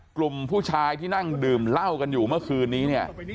กลุ่มผู้ชายที่นั่งดื่มเหล้ากันอยู่เมื่อคืนนี้เนี่ย